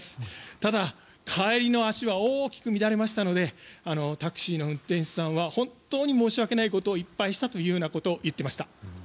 ただ、帰りの足は大きく乱れましたのでタクシーの運転手さんは本当に申し訳ないことをいっぱいしたと言っていました。